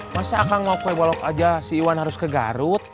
masa akan mau kue bolok aja si iwan harus ke garut